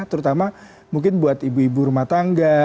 terutama mungkin buat ibu ibu rumah tangga